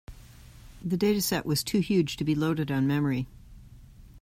The dataset was too huge to be loaded on memory.